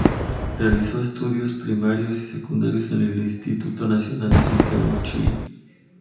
Realizó estudios primarios y secundarios en el Instituto Nacional de Santiago, Chile.